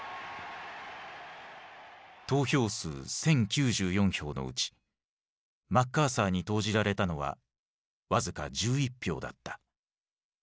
投票数１，０９４票のうちマッカーサーに投じられたのは僅か１１票だった。